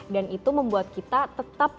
dan itu membuat kita tetap panas